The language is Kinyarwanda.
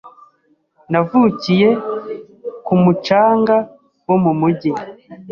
Navukiye ku mucanga wo mu mujyi